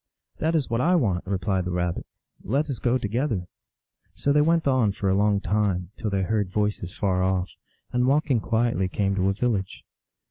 "That is what I want," replied the Rabbit. "Let us go together." So they went on for a long time, till they heard voices far off, and walking quietly came to a village.